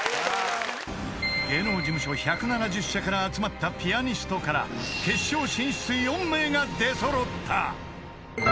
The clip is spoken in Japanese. ［芸能事務所１７０社から集まったピアニストから決勝進出４名が出揃った］